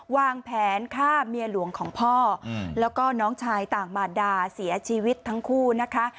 วางแผนฆ่าเมียหลวงของพ่อแล้วก็น้องชายต่างมารดาเสียชีวิตทั้งคู่นะคะ